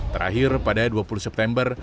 terakhir pada dua puluh september